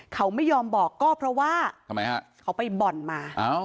เขาไม่ยอมบอกก็เพราะว่าเขาไปบ่อนมา